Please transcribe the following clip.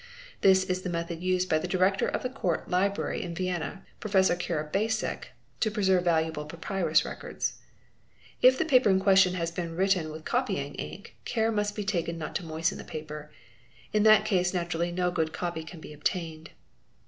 This is the method used by the Director of the Court Library in Vienna, Professor Karabacek, to preserve valuable papyrus records. If the paper in question has been written with copying ink, care must be taken not to moisten the paper. In that case naturally no good copy can be obtained.